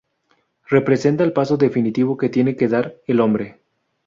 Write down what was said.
Representa el paso definitivo que tiene que dar el hombre.